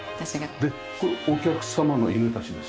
でこれお客様の犬たちですか？